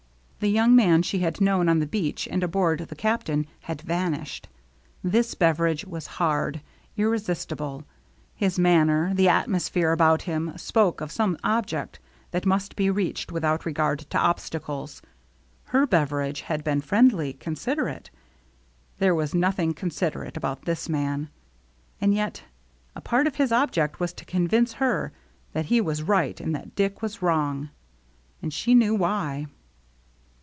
The young man she had known on the beach and aboard the Captain had van ished. This Beveridge was hard, irresistible; his manner, the atmosphere about him, spoke of some object that must be reached without regard to obstacles. Her Beveridge had been friendly, considerate ; there was nothing con siderate about this man. And yet, a part of his object was to convince her that he was right and that Dick was wrong ; and she knew why.